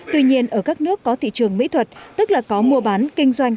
tuy nhiên ở các nước có thị trường mỹ thuật tức là có mua bán kinh doanh